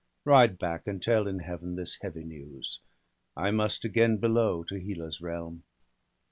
Ride back, and tell in Heaven this heavy news; I must again below, to Hela's realm.'